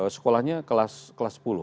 sekolahnya kelas sepuluh